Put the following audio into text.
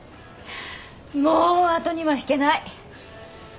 もう後には引けない。